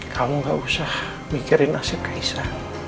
kamu gak usah mikirin nasib kaisar